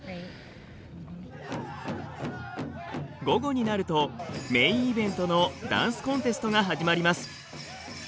午後になるとメインイベントのダンスコンテストが始まります。